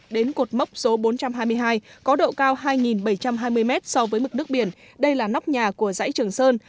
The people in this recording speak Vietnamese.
đến cột mốc số bốn trăm hai mươi hai có độ cao hai bảy trăm hai mươi mét so với mực nước biển đây là nóc nhà của dãy trường sơn